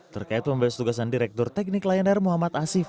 terkait pembebas tugasan direktur teknik lion air muhammad asif